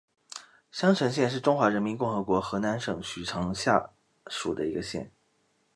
襄城县是中华人民共和国河南省许昌市下属的一个县。